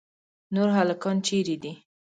نور هلکان چیرې دي؟